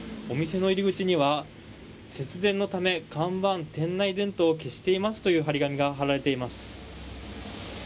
お店の入り口には節電のため看板、店内電灯を消していますという貼り紙が貼られています。